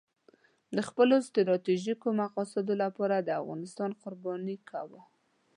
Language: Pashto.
د خپلو ستراتیژیکو مقاصدو لپاره افغانستان قرباني کاوه.